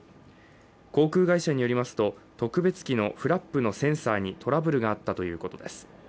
航空会社によりますと、特別機のフラップのセンサーにトラブルがあったということです。